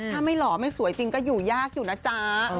ถ้าไม่หล่อไม่สวยจริงก็อยู่ยากอยู่นะจ๊ะ